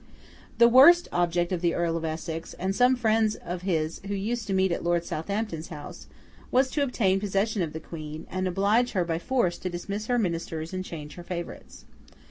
The worst object of the Earl of Essex, and some friends of his who used to meet at Lord Southampton's house, was to obtain possession of the Queen, and oblige her by force to dismiss her ministers and change her favourites.